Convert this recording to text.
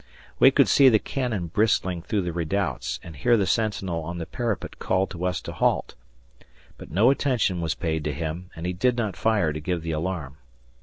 We could see the cannon bristling through the redoubts and hear the sentinel on the parapet call to us to halt. But no attention was paid to him, and he did not fire to give the alarm.